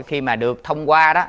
khi mà được thông qua đó